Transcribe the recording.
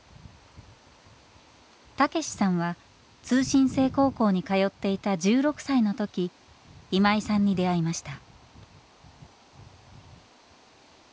たけしさんは通信制高校に通っていた１６歳の時今井さんに出会いました。